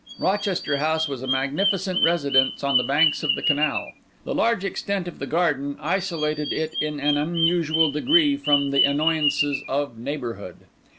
Rochester House was a magnificent residence on the banks of the canal. The large extent of the garden isolated it in an unusual degree from the annoyances of neighbourhood.